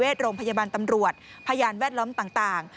โรงพยาบาลตำรวจพยานแวดล้อมต่าง